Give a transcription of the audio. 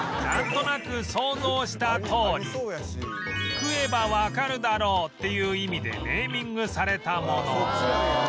なんとなく想像したとおり「食えばわかるだろう」っていう意味でネーミングされたもの